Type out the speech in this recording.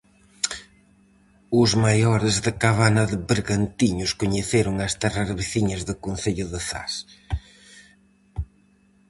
Os maiores de Cabana de Bergantiños coñeceron as terras veciñas do concello de Zas.